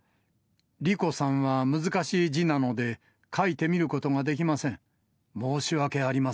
リコさんは、難しい字なので、書いてみることができません。